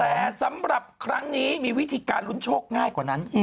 แต่สำหรับครั้งนี้มีวิธีการลุ้นโชคง่ายกว่านั้น